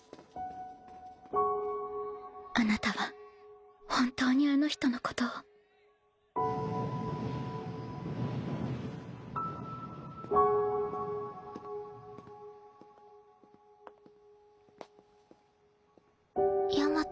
あなたは本当にあの人のことを清夏）